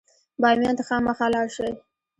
بامیان ته خامخا لاړ شئ.